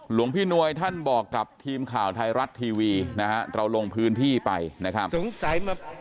หลวงพี่นวยท่านบอกกับทีมข่าวไทยรัฐทีวีนะฮะเราลงพื้นที่ไปนะครับสงสัยมา